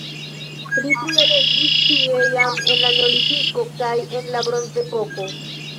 Pli frue loĝis tie jam en la neolitiko kaj en la bronzepoko.